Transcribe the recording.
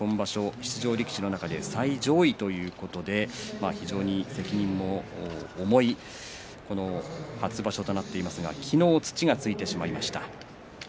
出場力士の中で最上位ということで非常に責任も重いこの初場所となっていますが昨日土がついてしまいました。